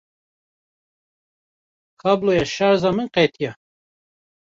Kabloya şerja min qetiya.